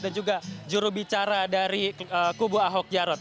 dan juga jurubicara dari kubu ahok yarot